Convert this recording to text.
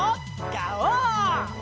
ガオー！